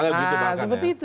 nah seperti itu